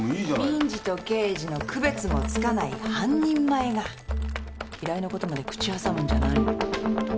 民事と刑事の区別もつかない半人前が依頼のことまで口を挟むんじゃないの。